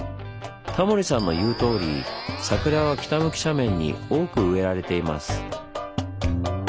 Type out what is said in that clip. タモリさんの言うとおり桜は北向き斜面に多く植えられています。